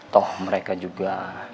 toh mereka juga